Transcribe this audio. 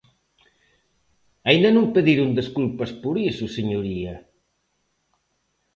Aínda non pediron desculpas por iso, señoría.